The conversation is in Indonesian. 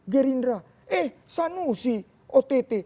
gerindra eh sana si ott